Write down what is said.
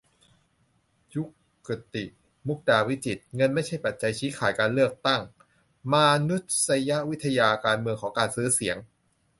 ยุกติ มุกดาวิจิตร : เงินไม่ใช่ปัจจัยชี้ขาดการเลือกตั้ง : มานุษยวิทยาการเมืองของ 'การซื้อเสียง'